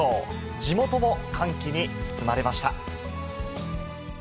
地元も歓喜に包まれました。